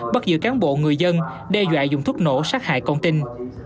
bắt giữ cán bộ người dân đe dọa dùng thuốc nổ sát hại con tin